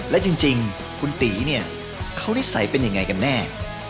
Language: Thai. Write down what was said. และจริงคุณตีเนี่ยเขานิสัยเป็นยังไงกันแน่